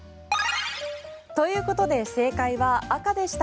ということで正解は赤でした。